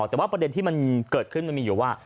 แต่ว่าประเด็นที่มันเกิดขึ้นมันมีอยู่ว่า